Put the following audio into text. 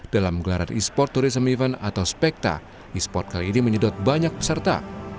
dalam gelaran e sport tourism event atau spekta e sport kali ini menyedot banyak peserta